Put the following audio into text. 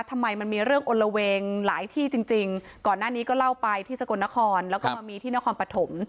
ทำไมมันมีเรื่องอลละเวงหลายที่จริงจริงก่อนหน้านี้ก็เล่าไปที่สกลนครแล้วก็มามีที่นครปฐม